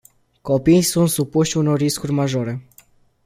Copiii sunt supuși unor riscuri majore.